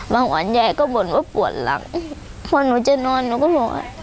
วันยายก็บ่นว่าปวดหลังพอหนูจะนอนหนูก็บอกว่า